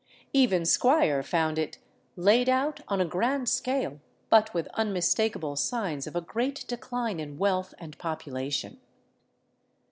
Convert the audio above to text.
Even Squier found it '' laid out on a grand scale, but with unmistakable signs of a great decline in wealth and population."